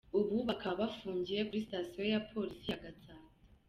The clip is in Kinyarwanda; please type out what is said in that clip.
Ubu bakaba bafungiye kuri sitasiyo ya Polisi ya Gatsata.